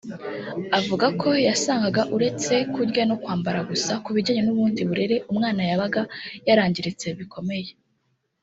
Avuga ko yasangaga uretse kurya no kwambara gusa ku bijyanye n’ubundi burere umwana yabaga yarangiritse bikomeye